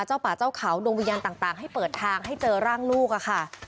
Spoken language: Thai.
เจ้าป่าเจ้าเขาดวงวิญญาณต่างให้เปิดทางให้เจอร่างลูกอะค่ะ